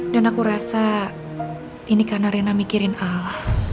dan aku rasa ini karena rena mikirin al